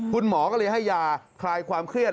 คุณหมอก็เลยให้ยาคลายความเครียด